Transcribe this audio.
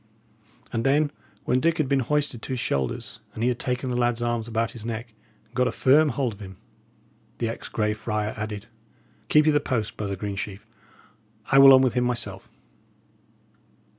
And then, when Dick had been hoisted to his shoulders, and he had taken the lad's arms about his neck, and got a firm hold of him, the ex Grey Friar added: "Keep ye the post, brother Greensheve. I will on with him by myself."